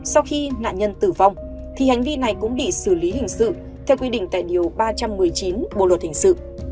sau khi nạn nhân tử vong thì hành vi này cũng bị xử lý hình sự theo quy định tại điều ba trăm một mươi chín bộ luật hình sự